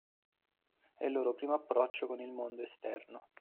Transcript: È il loro primo approccio con il mondo esterno.